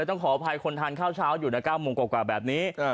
ต้องขออภัยคนทานข้าวเช้าอยู่นะ๙โมงกว่าแบบนี้